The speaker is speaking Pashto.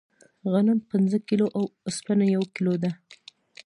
غنم پنځه کیلو او اوسپنه یو کیلو ده.